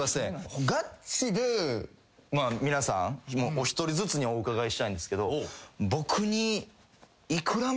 ガチで皆さんお一人ずつにお伺いしたいんですけど。